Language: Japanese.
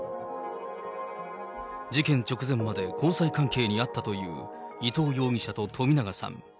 事件直前まで交際関係にあったという伊藤容疑者と冨永さん。